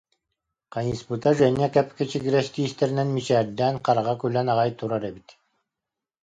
Хайыспыта Женя кэп-кэчигирэс тиистэринэн мичээрдээн, хараҕа күлэн аҕай турар эбит